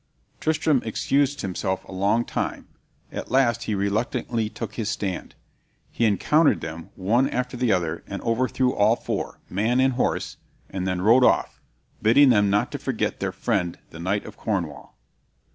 Tristram excused himself a long time; at last he reluctantly took his stand. He encountered them, one after the other, and overthrew them all four, man and horse, and then rode off, bidding them not to forget their friend the knight of Cornwall.